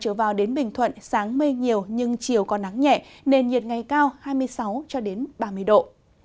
trở vào đến bình thuận sáng mây nhiều nhưng chiều có nắng nhẹ nền nhiệt ngày cao hai mươi sáu ba mươi độ